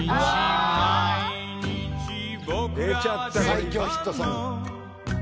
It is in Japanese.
最強ヒットソング。